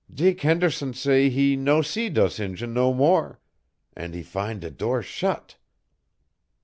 Dick Henderson say he no see dose Injun no more, an' he fin' de door shut.